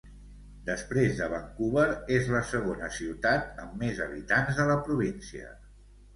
Després de Vancouver, és la segona ciutat amb més habitants de la província.